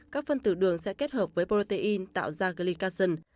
các phân tử đường sẽ kết hợp với protein tạo ra glycassion